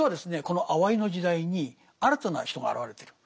このあわいの時代に新たな人が現れてる。